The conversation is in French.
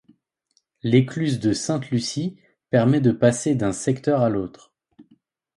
L'écluse de Sainte-Lucie permet de passer d'un secteur à l'autre.